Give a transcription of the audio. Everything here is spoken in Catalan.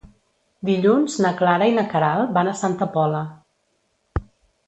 Dilluns na Clara i na Queralt van a Santa Pola.